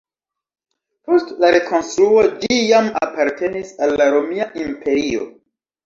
Post la rekonstruo ĝi jam apartenis al la Romia Imperio.